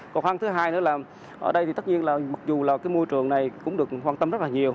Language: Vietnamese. khó khăn thứ hai nữa là ở đây thì tất nhiên là mặc dù là cái môi trường này cũng được quan tâm rất là nhiều